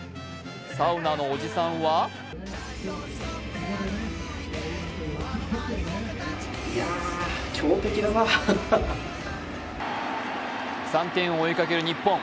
サウナのおじさんは３点を追いかける日本。